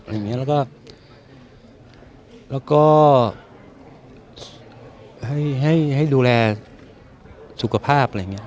อะไรเงี้ยแล้วก็แล้วก็ใช่ให้ให้ดูแลสุขภาพอะไรเงี้ย